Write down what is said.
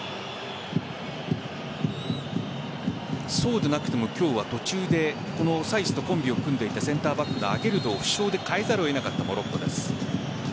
そうでなくても今日は途中でサイスとコンビを組んでいたセンターバックのアゲルドを負傷で代えざるを得なかったモロッコです。